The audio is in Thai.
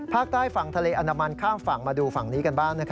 ภาคใต้ฝั่งทะเลอนามันข้ามฝั่งมาดูฝั่งนี้กันบ้าง